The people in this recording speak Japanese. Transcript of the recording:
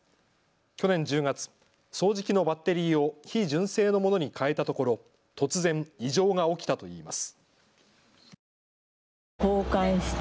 去年１０月、掃除機のバッテリーを非純正のものに代えたところ突然、異常が起きたといいます。